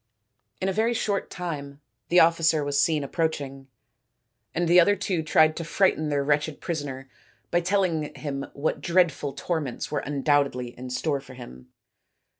In a very short time the officer was seen approach ing, and the other two tried to frighten their wretched prisoner by telling him what dreadful torments were undoubtedly in store for him.